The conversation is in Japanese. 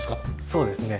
そうですね。